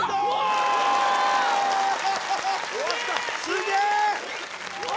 すげえ！